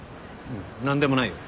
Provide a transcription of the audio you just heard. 何でもないよ。